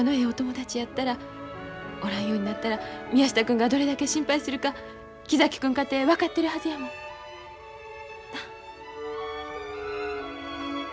お友達やったらおらんようになったら宮下君がどれだけ心配するか木崎君かて分かってるはずやもん。